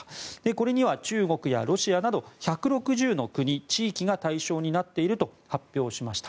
これには中国やロシアなど１６０の国や地域が対象となっていると発表しました。